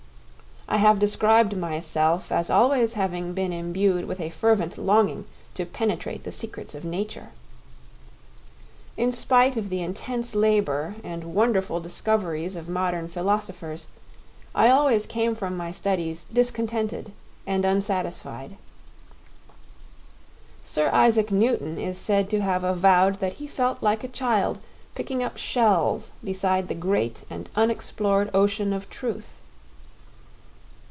I have described myself as always having been imbued with a fervent longing to penetrate the secrets of nature. In spite of the intense labour and wonderful discoveries of modern philosophers, I always came from my studies discontented and unsatisfied. Sir Isaac Newton is said to have avowed that he felt like a child picking up shells beside the great and unexplored ocean of truth.